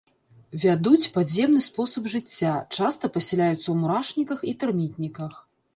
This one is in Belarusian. Вядуць падземны спосаб жыцця, часта пасяляюцца ў мурашніках і тэрмітніках.